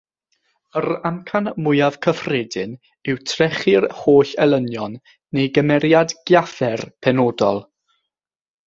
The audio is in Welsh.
Yr amcan mwyaf cyffredin yw trechu'r holl elynion neu gymeriad giaffer penodol.